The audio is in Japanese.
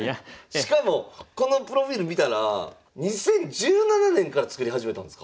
しかもこのプロフィール見たら２０１７年から作り始めたんですか？